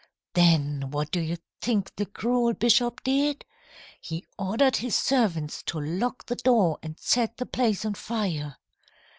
Then what do you think the cruel bishop did? He ordered his servants to lock the door and set the place on fire!